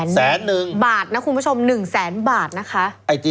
๑แสน๑แสน๑บาทบาทนะคุณผู้ชม๑แสนบาทนะคะ